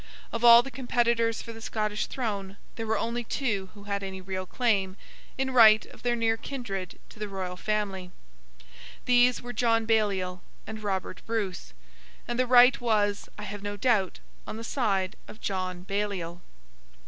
Of all the competitors for the Scottish throne, there were only two who had any real claim, in right of their near kindred to the Royal Family. These were John Baliol and Robert Bruce: and the right was, I have no doubt, on the side of John Baliol.